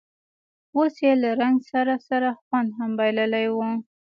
اوس یې له رنګ سره سره خوند هم بایللی و.